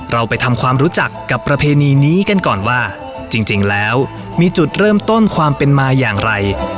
เราไปทำความรู้จักกับประเพณีนี้กันก่อนว่าจริงแล้วมีจุดเริ่มต้นความเป็นมาอย่างไร